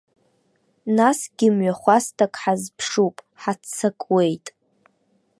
Насгьы мҩахарак ҳазԥшуп, ҳаццакуеит.